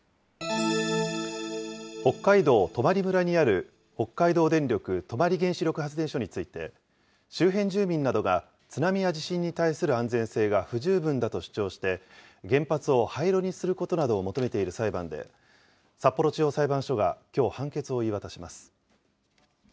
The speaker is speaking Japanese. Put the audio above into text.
北海道泊村にある北海道電力泊原子力発電所について、周辺住民などが津波や地震に対する安全性が不十分だと主張して、原発を廃炉にすることなどを求めている裁判で、札幌地方裁判所がきょう、判決を言い渡します。